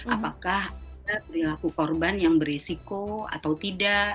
apakah perilaku korban yang berisiko atau tidak